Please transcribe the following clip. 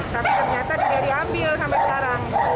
tapi ternyata tidak diambil sampai sekarang